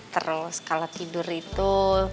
terus kalau tidur itu